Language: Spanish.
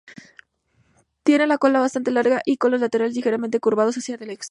Tiene la cola bastante larga y con los laterales ligeramente curvados hacia el exterior.